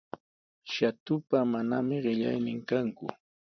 Shatupa manami qillaynin kanku.